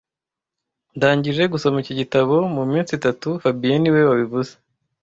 Ndangije gusoma iki gitabo muminsi itatu fabien niwe wabivuze